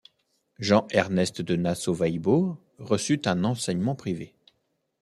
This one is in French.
Jean-Ernest de Nassau-Weilbourg reçut un enseignement privé.